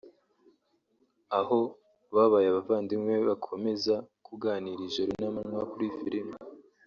aho babaye abavandimwe bakomeza kuganira ijoro n’amanywa kuri filimi